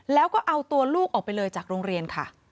แล้วก็เอาตัวลูกออกไปเลยจากโรงเรียนค่ะ